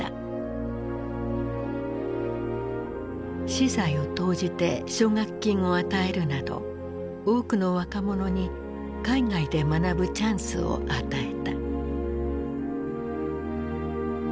私財を投じて奨学金を与えるなど多くの若者に海外で学ぶチャンスを与えた。